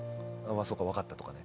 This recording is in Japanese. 「そうか分かった」とかね。